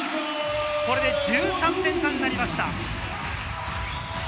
これで１３点差になりました。